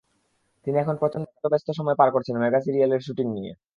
তিনি এখন প্রচণ্ড ব্যস্ত সময় পার করছেন মেগা সিরিয়ালের শুটিং নিয়ে।